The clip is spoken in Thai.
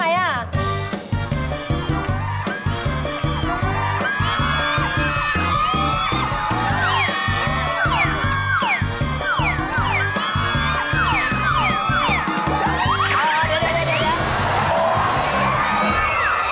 เดี๋ยว